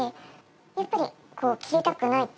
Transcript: やっぱり切りたくないと。